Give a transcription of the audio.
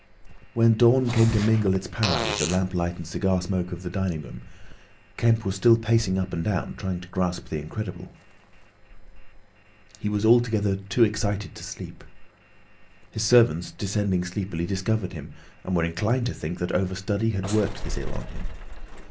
When dawn came to mingle its pallor with the lamp light and cigar smoke of the dining room, Kemp was still pacing up and down, trying to grasp the incredible. He was altogether too excited to sleep. His servants, descending sleepily, discovered him, and were inclined to think that over study had worked this ill on him.